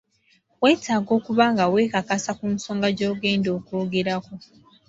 Weetaaga okuba nga weekakasa ku nsonga gy’ogenda okwogerako.